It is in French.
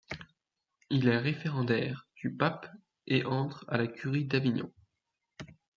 Il est référendaire du pape et entre à la Curie d'Avignon.